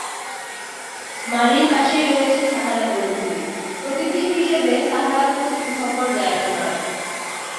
মালির পাশেই রয়েছে সাহারা মরুভূমি, প্রতিবেশী হিসেবে সাহারা খুব সুখকর জায়গা নয়।